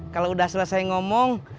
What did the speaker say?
kalau udah selesai ngomong